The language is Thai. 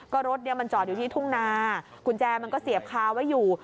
ก็รถเนี่ยมันจอดอยู่ที่ทุ่งนากุญแจมันก็เสียบคาไว้อยู่